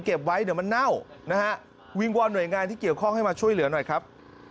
เก็บไว้เดี๋ยวมันเน่านะฮะวิงวอนหน่วยงานที่เกี่ยวข้องให้มาช่วยเหลือหน่อยครับ